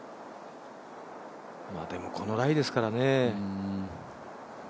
でもこのライですからね。